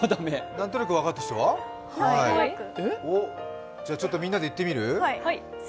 何となく分かった人は？じゃみんなで言ってみる？